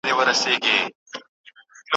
د چارلس چاپلین اثر